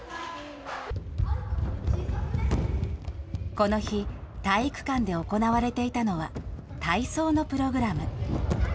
この日、体育館で行われていたのは、体操のプログラム。